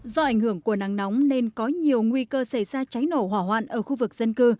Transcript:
do ảnh hưởng của nắng nóng nên có nhiều nguy cơ xảy ra cháy nổ hỏa hoạn ở khu vực dân cư